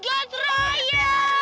abah dan apa maksudnya